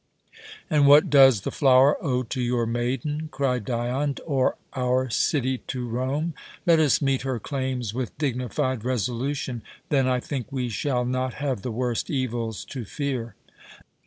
"And what does the flower owe to your maiden," cried Dion, "or our city to Rome? Let us meet her claims with dignified resolution, then I think we shall not have the worst evils to fear."